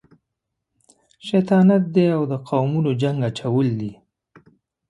شیطانت دی او د قومونو جنګ اچول دي.